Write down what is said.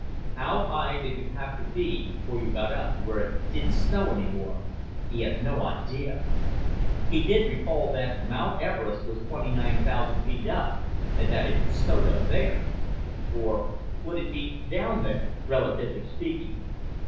How high did you have to be before you got up where it didn't snow any more? He had no idea. He did recall that Mount Everest was 29,000 feet up and that it snowed up there. Or would it be down there, relatively speaking?